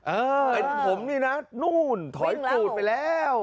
เห็นผมนี่นะนู่นถอยกูดไปแล้ว